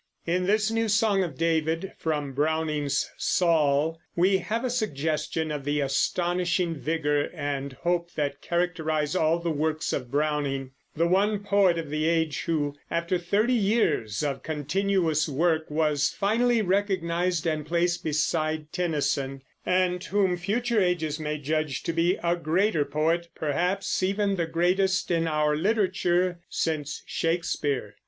In this new song of David, from Browning's Saul, we have a suggestion of the astonishing vigor and hope that characterize all the works of Browning, the one poet of the age who, after thirty years of continuous work, was finally recognized and placed beside Tennyson, and whom future ages may judge to be a greater poet, perhaps, even, the greatest in our literature since Shakespeare.